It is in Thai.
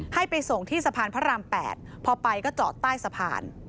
ให้ไปส่งที่สะพานพระราม๘พอไปก็จอดใต้สะพาน